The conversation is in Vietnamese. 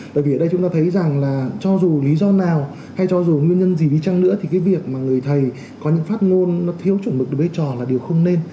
bởi vì ở đây chúng ta thấy rằng là cho dù lý do nào hay cho dù nguyên nhân gì đi chăng nữa thì cái việc mà người thầy có những phát ngôn nó thiếu chuẩn mực được vai trò là điều không nên